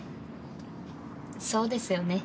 そうですよね。